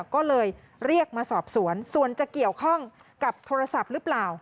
ก็เลยเรียกมาสอบสวนส่วนจะเกี่ยวข้องกับโทรศัพท์หรือเปล่า